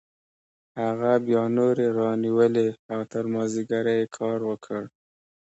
هغه بیا نورې رانیولې او تر مازدیګره یې کار وکړ